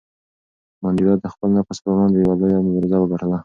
منډېلا د خپل نفس پر وړاندې یوه لویه مبارزه وګټله.